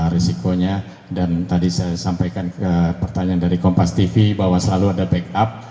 risikonya dan tadi saya sampaikan ke pertanyaan dari kompas tv bahwa selalu ada backup